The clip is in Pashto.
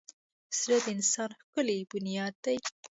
زړه د انسان ښکلی بنیاد دی.